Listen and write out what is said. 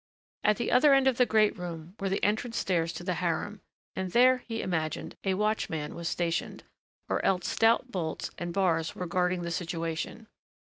At the other end of the great room were the entrance stairs to the harem, and there, he imagined, a watchman was stationed, or else stout bolts and bars were guarding the situation.